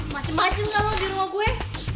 macem macem kalau di rumah gue